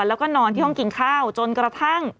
แล้วก็นอนที่ห้องกินข้าวจนกระทั่ง